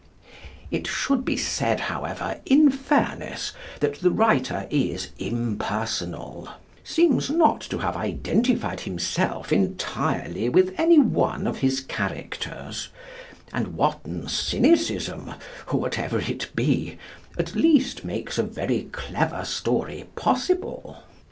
It should be said, however, in fairness, that the writer is impersonal; seems not to have identified himself entirely with any one of his characters; and Wotton's cynicism, or whatever it be, at least makes a very clever story possible.